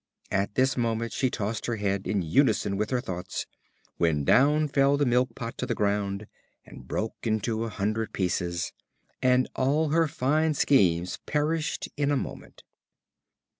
At this moment she tossed her head in unison with her thoughts, when down fell the Milk pot to the ground, and broke into a hundred pieces, and all her fine schemes perished in a moment.